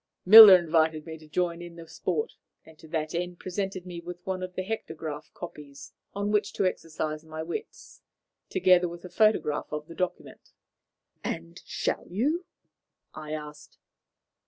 Miller invited me to join in the sport, and to that end presented me with one of the hectograph copies on which to exercise my wits, together with a photograph of the document." "And shall you?" I asked.